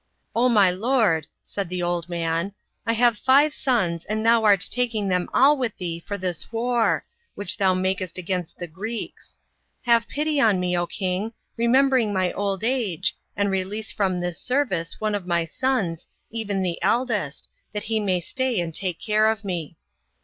"O my lord," said the old man, "I have five sons, and thou art taking them all with thee for this war, which thou makest against the Greeks. Have pity on me, king, remembering my old age, and release from this service, one of my sons, even the eldest, that he may stay and take care of me."